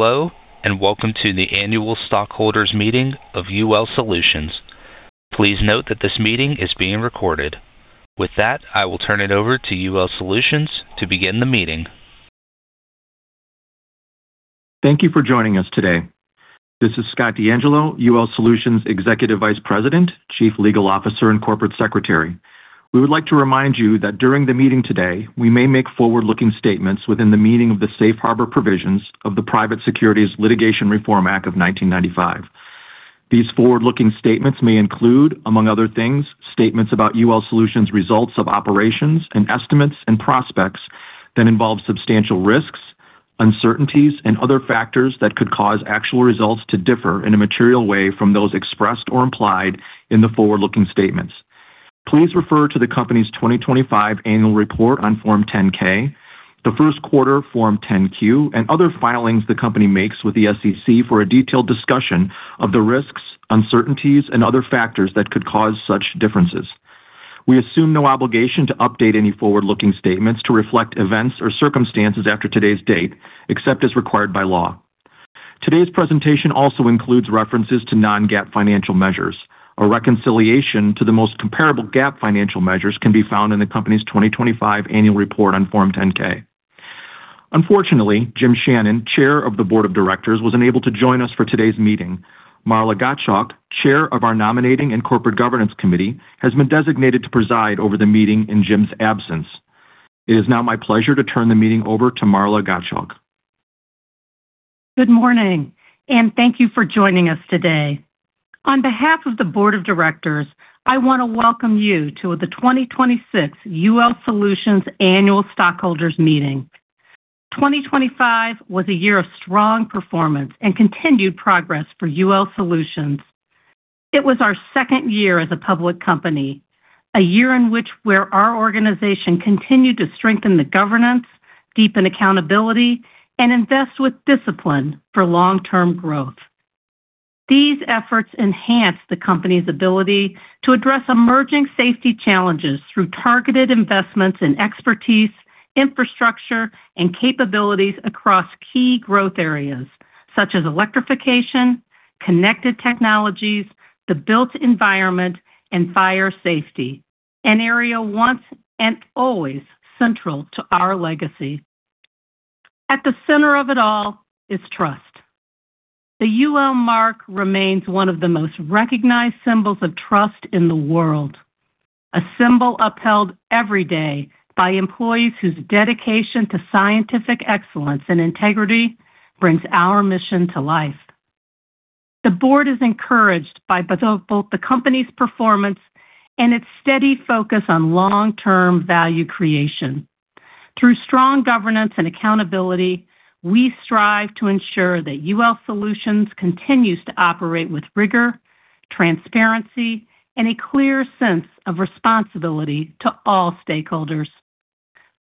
Hello and welcome to the annual stockholders meeting of UL Solutions. Please note that this meeting is being recorded. With that, I will turn it over to UL Solutions to begin the meeting. Thank you for joining us today. This is Scott L. D'Angelo, UL Solutions Executive Vice President, Chief Legal Officer, and Corporate Secretary. We would like to remind you that during the meeting today, we may make forward-looking statements within the meaning of the safe harbor provisions of the Private Securities Litigation Reform Act of 1995. These forward-looking statements may include, among other things, statements about UL Solutions' results of operations and estimates and prospects that involve substantial risks, uncertainties, and other factors that could cause actual results to differ in a material way from those expressed or implied in the forward-looking statements. Please refer to the company's 2025 annual report on Form 10-K, the first quarter Form 10-Q, and other filings the company makes with the SEC for a detailed discussion of the risks, uncertainties, and other factors that could cause such differences. We assume no obligation to update any forward-looking statements to reflect events or circumstances after today's date, except as required by law. Today's presentation also includes references to non-GAAP financial measures. A reconciliation to the most comparable GAAP financial measures can be found in the company's 2025 Annual Report on Form 10-K. Unfortunately, Jim Shannon, Chair of the Board of Directors, was unable to join us for today's meeting. Marla Gottschalk, Chair of our Nominating and Corporate Governance Committee, has been designated to preside over the meeting in Jim's absence. It is now my pleasure to turn the meeting over to Marla Gottschalk. Good morning, thank you for joining us today. On behalf of the Board of Directors, I want to welcome you to the 2026 UL Solutions annual stockholders meeting. 2025 was a year of strong performance and continued progress for UL Solutions. It was our second year as a public company, a year in which our organization continued to strengthen the governance, deepen accountability, and invest with discipline for long-term growth. These efforts enhanced the company's ability to address emerging safety challenges through targeted investments in expertise, infrastructure, and capabilities across key growth areas such as electrification, connected technologies, the built environment, and fire safety, an area once and always central to our legacy. At the center of it all is trust. The UL Mark remains one of the most recognized symbols of trust in the world. A symbol upheld every day by employees whose dedication to scientific excellence and integrity brings our mission to life. The board is encouraged by both the company's performance and its steady focus on long-term value creation. Through strong governance and accountability, we strive to ensure that UL Solutions continues to operate with rigor, transparency, and a clear sense of responsibility to all stakeholders.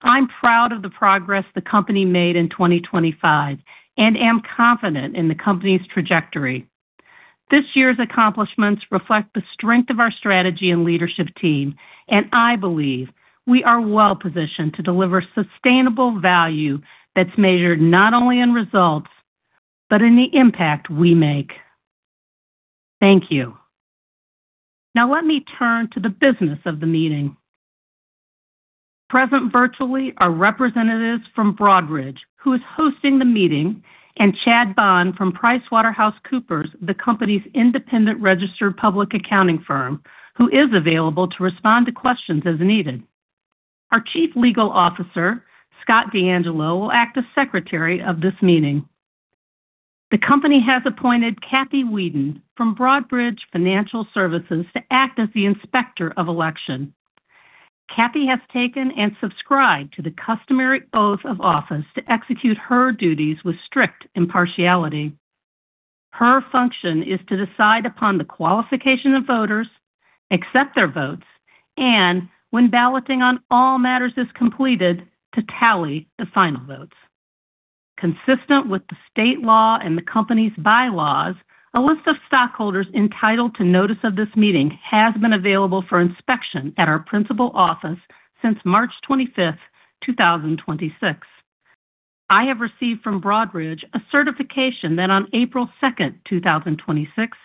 I'm proud of the progress the company made in 2025 and am confident in the company's trajectory. This year's accomplishments reflect the strength of our strategy and leadership team, and I believe we are well-positioned to deliver sustainable value that's measured not only in results, but in the impact we make. Thank you. Now let me turn to the business of the meeting. Present virtually are representatives from Broadridge, who is hosting the meeting, and Chad Bond from PricewaterhouseCoopers, the company's independent registered public accounting firm, who is available to respond to questions as needed. Our Chief Legal Officer, Scott D'Angelo, will act as Secretary of this meeting. The company has appointed Kathy Weeden from Broadridge Financial Solutions to act as the Inspector of Election. Kathy has taken and subscribed to the customary oath of office to execute her duties with strict impartiality. Her function is to decide upon the qualification of voters, accept their votes, and when balloting on all matters is completed, to tally the final votes. Consistent with the state law and the company's bylaws, a list of stockholders entitled to notice of this meeting has been available for inspection at our principal office since March 25th, 2026. I have received from Broadridge a certification that on April 2nd, 2026,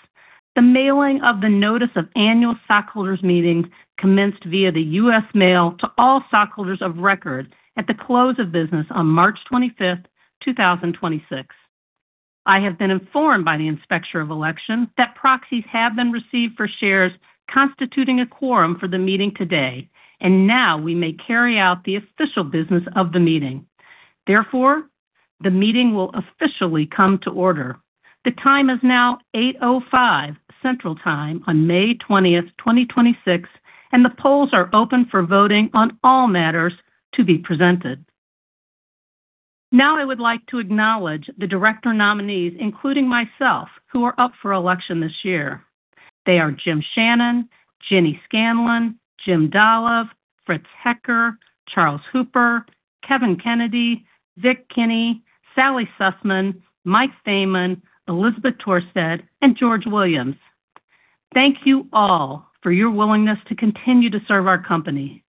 the mailing of the notice of annual stockholders meetings commenced via the U.S. mail to all stockholders of record at the close of business on March 25th, 2026. I have been informed by the Inspector of Election that proxies have been received for shares constituting a quorum for the meeting today, and now we may carry out the official business of the meeting. Therefore, the meeting will officially come to order. The time is now 8:05 A.M. Central Time on May 20th, 2026, and the polls are open for voting on all matters to be presented. Now I would like to acknowledge the director nominees, including myself, who are up for election this year. They are Jim Shannon, Jenny Scanlon, Jim Dollive, Fritz Hecker, Charles Hooper, Kevin Kennedy, Vic Kini, Sally Susman, Mike Thaman, Elisabeth Tørstad, and George Williams. Thank you all for your willingness to continue to serve our company.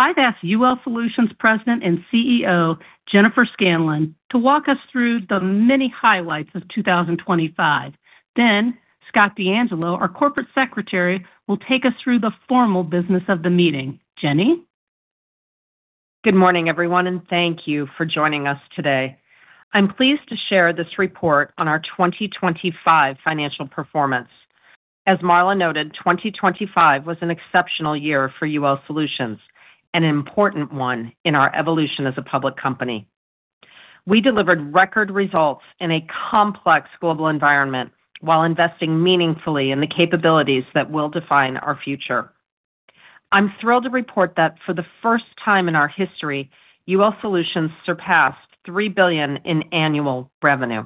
I've asked UL Solutions President and CEO, Jennifer Scanlon, to walk us through the many highlights of 2025. Scott D'Angelo, our Corporate Secretary, will take us through the formal business of the meeting. Jenny? Good morning, everyone, and thank you for joining us today. I'm pleased to share this report on our 2025 financial performance. As Marla noted, 2025 was an exceptional year for UL Solutions, an important one in our evolution as a public company. We delivered record results in a complex global environment while investing meaningfully in the capabilities that will define our future. I'm thrilled to report that for the first time in our history, UL Solutions surpassed $3 billion in annual revenue.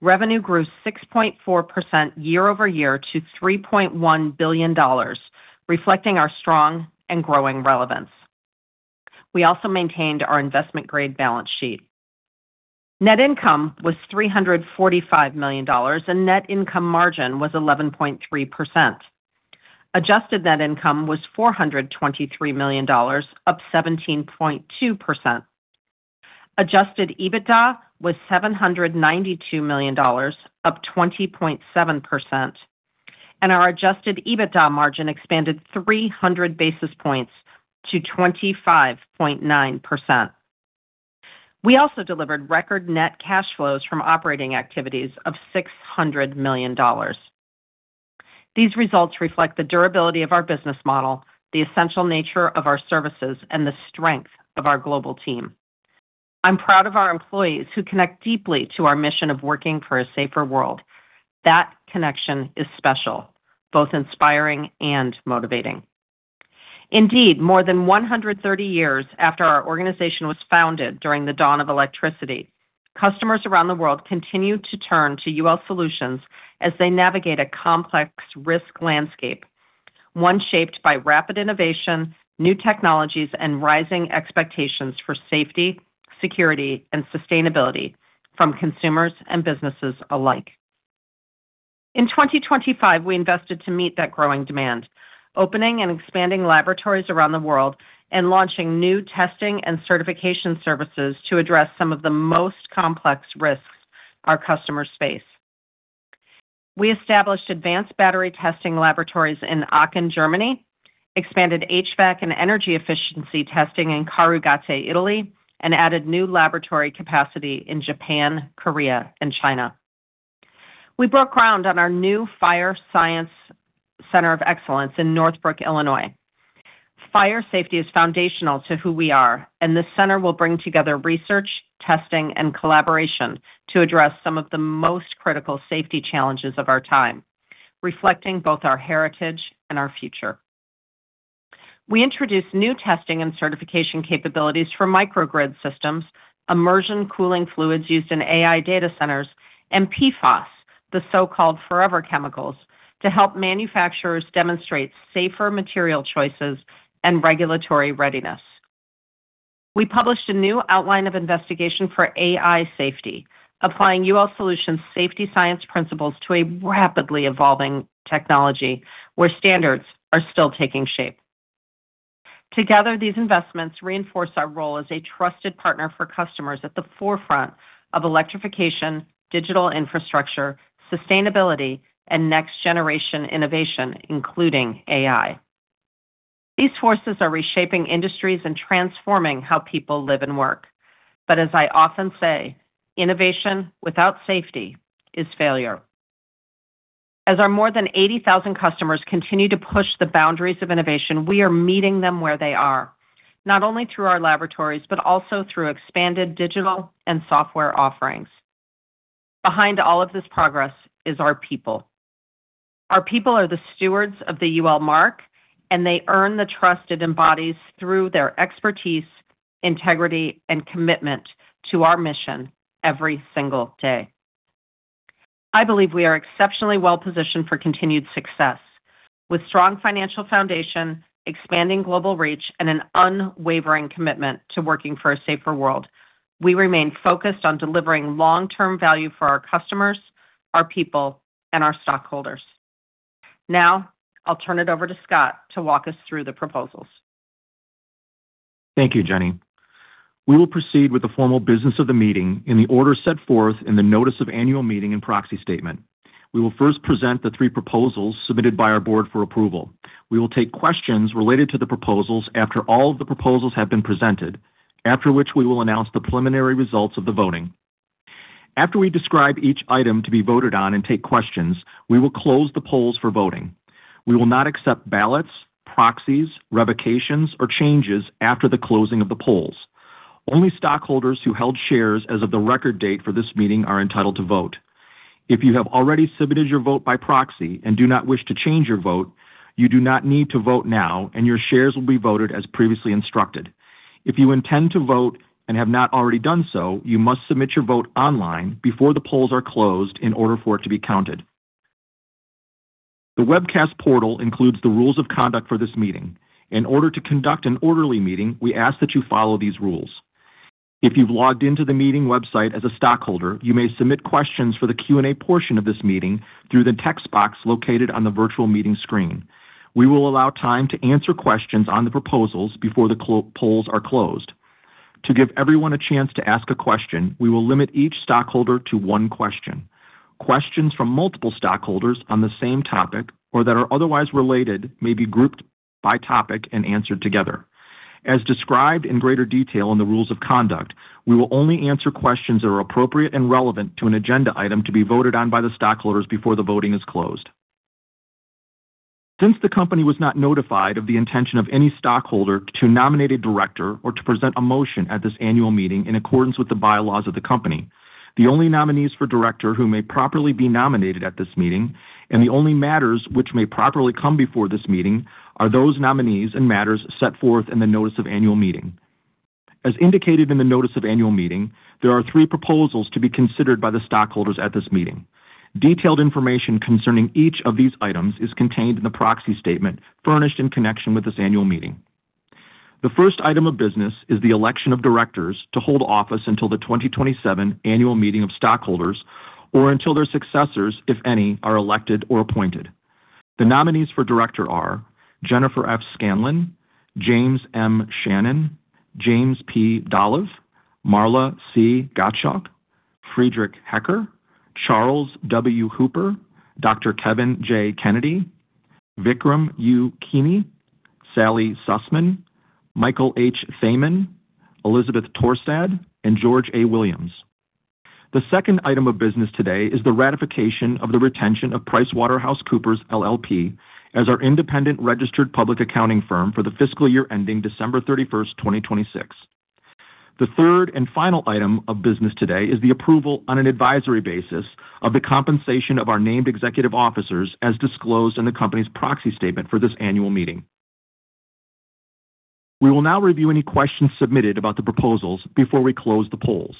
Revenue grew 6.4% year-over-year to $3.1 billion, reflecting our strong and growing relevance. We also maintained our investment-grade balance sheet. Net income was $345 million, and net income margin was 11.3%. Adjusted net income was $423 million, up 17.2%. Adjusted EBITDA was $792 million, up 20.7%, and our adjusted EBITDA margin expanded 300 basis points to 25.9%. We also delivered record net cash flows from operating activities of $600 million. These results reflect the durability of our business model, the essential nature of our services, and the strength of our global team. I'm proud of our employees who connect deeply to our mission of working for a safer world. That connection is special, both inspiring and motivating. Indeed, more than 130 years after our organization was founded during the dawn of electricity, customers around the world continue to turn to UL Solutions as they navigate a complex risk landscape. One shaped by rapid innovation, new technologies, and rising expectations for safety, security, and sustainability from consumers and businesses alike. In 2025, we invested to meet that growing demand, opening and expanding laboratories around the world and launching new testing and certification services to address some of the most complex risks our customers face. We established advanced battery testing laboratories in Aachen, Germany, expanded HVAC and energy efficiency testing in Carugate, Italy, and added new laboratory capacity in Japan, Korea, and China. We broke ground on our new Fire Science Center of Excellence in Northbrook, Illinois. Fire safety is foundational to who we are. The center will bring together research, testing, and collaboration to address some of the most critical safety challenges of our time, reflecting both our heritage and our future. We introduced new testing and certification capabilities for microgrid systems, immersion cooling fluids used in AI data centers, and PFAS, the so-called forever chemicals, to help manufacturers demonstrate safer material choices and regulatory readiness. We published a new outline of investigation for AI safety, applying UL Solutions safety science principles to a rapidly evolving technology where standards are still taking shape. Together, these investments reinforce our role as a trusted partner for customers at the forefront of electrification, digital infrastructure, sustainability, and next-generation innovation, including AI. These forces are reshaping industries and transforming how people live and work. As I often say, innovation without safety is failure. As our more than 80,000 customers continue to push the boundaries of innovation, we are meeting them where they are, not only through our laboratories, but also through expanded digital and software offerings. Behind all of this progress is our people. Our people are the stewards of the UL Mark, and they earn the trust it embodies through their expertise, integrity, and commitment to our mission every single day. I believe we are exceptionally well-positioned for continued success. With strong financial foundation, expanding global reach, and an unwavering commitment to working for a safer world, we remain focused on delivering long-term value for our customers, our people, and our stockholders. Now, I'll turn it over to Scott to walk us through the proposals. Thank you, Jenny. We will proceed with the formal business of the meeting in the order set forth in the notice of annual meeting and proxy statement. We will first present the three proposals submitted by our board for approval. We will take questions related to the proposals after all of the proposals have been presented, after which we will announce the preliminary results of the voting. After we describe each item to be voted on and take questions, we will close the polls for voting. We will not accept ballots, proxies, revocations, or changes after the closing of the polls. Only stockholders who held shares as of the record date for this meeting are entitled to vote. If you have already submitted your vote by proxy and do not wish to change your vote, you do not need to vote now, and your shares will be voted as previously instructed. If you intend to vote and have not already done so, you must submit your vote online before the polls are closed in order for it to be counted. The webcast portal includes the rules of conduct for this meeting. In order to conduct an orderly meeting, we ask that you follow these rules. If you've logged into the meeting website as a stockholder, you may submit questions for the Q&A portion of this meeting through the text box located on the virtual meeting screen. We will allow time to answer questions on the proposals before the polls are closed. To give everyone a chance to ask a question, we will limit each stockholder to one question. Questions from multiple stockholders on the same topic, or that are otherwise related, may be grouped by topic and answered together. As described in greater detail in the rules of conduct, we will only answer questions that are appropriate and relevant to an agenda item to be voted on by the stockholders before the voting is closed. Since the company was not notified of the intention of any stockholder to nominate a director or to present a motion at this annual meeting in accordance with the bylaws of the company, the only nominees for director who may properly be nominated at this meeting and the only matters which may properly come before this meeting are those nominees and matters set forth in the notice of annual meeting. As indicated in the notice of annual meeting, there are three proposals to be considered by the stockholders at this meeting. Detailed information concerning each of these items is contained in the proxy statement furnished in connection with this annual meeting. The first item of business is the election of directors to hold office until the 2027 annual meeting of stockholders or until their successors, if any, are elected or appointed. The nominees for director are Jennifer F. Scanlon, James M. Shannon, James P. Dollive, Marla C. Gottschalk, Friedrich Hecker, Charles W. Hooper, Dr. Kevin J. Kennedy, Vikram U. Kini, Sally Susman, Michael H. Thaman, Elisabeth Tørstad, and George A. Williams. The second item of business today is the ratification of the retention of PricewaterhouseCoopers LLP as our independent registered public accounting firm for the fiscal year ending December 31st, 2026. The third and final item of business today is the approval on an advisory basis of the compensation of our named executive officers as disclosed in the company's proxy statement for this annual meeting. We will now review any questions submitted about the proposals before we close the polls.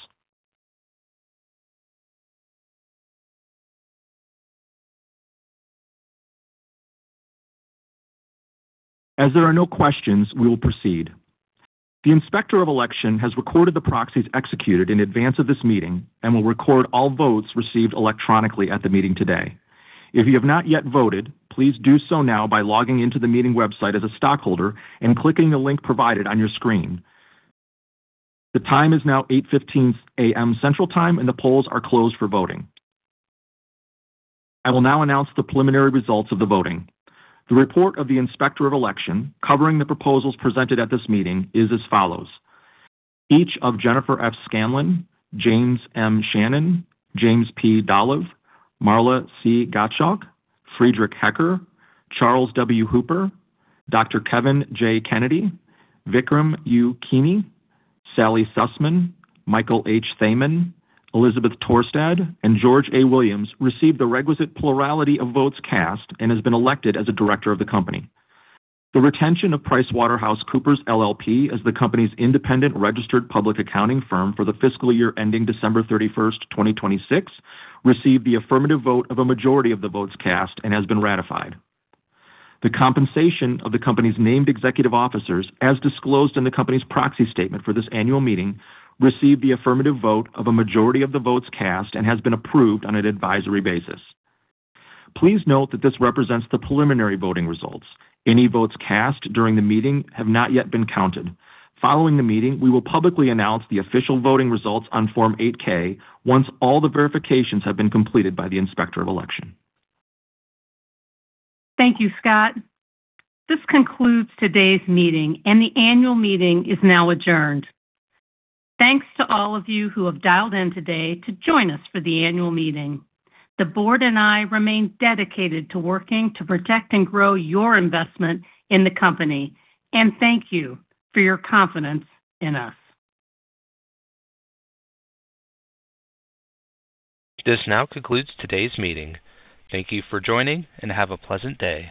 As there are no questions, we will proceed. The Inspector of Election has recorded the proxies executed in advance of this meeting and will record all votes received electronically at the meeting today. If you have not yet voted, please do so now by logging into the meeting website as a stockholder and clicking the link provided on your screen. The time is now 8:15 A.M. Central Time, and the polls are closed for voting. I will now announce the preliminary results of the voting. The report of the Inspector of Election covering the proposals presented at this meeting is as follows. Each of Jennifer F. Scanlon, James M. Shannon, James P. Dollive, Marla C. Gottschalk, Friedrich Hecker, Charles W. Hooper, Dr. Kevin J. Kennedy, Vikram U. Kini, Sally Susman, Michael H. Thaman, Elisabeth Tørstad, and George A. Williams received the requisite plurality of votes cast and has been elected as a director of the company. The retention of PricewaterhouseCoopers LLP as the company's independent registered public accounting firm for the fiscal year ending December 31, 2026, received the affirmative vote of a majority of the votes cast and has been ratified. The compensation of the company's named executive officers, as disclosed in the company's proxy statement for this annual meeting, received the affirmative vote of a majority of the votes cast and has been approved on an advisory basis. Please note that this represents the preliminary voting results. Any votes cast during the meeting have not yet been counted. Following the meeting, we will publicly announce the official voting results on Form 8-K once all the verifications have been completed by the Inspector of Election. Thank you, Scott. This concludes today's meeting and the annual meeting is now adjourned. Thanks to all of you who have dialed in today to join us for the annual meeting. The Board and I remain dedicated to working to protect and grow your investment in the company, and thank you for your confidence in us. This now concludes today's meeting. Thank you for joining, and have a pleasant day.